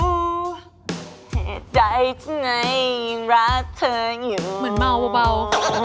เจ้าใจที่ไหนยิ่งรักเธออยู่เหมือนเมาเป็นเบา